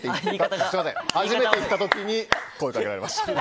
初めて行った時に声かけられました。